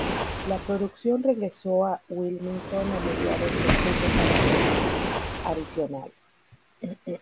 La producción regresó a Wilmington a mediados de octubre para rodaje adicional.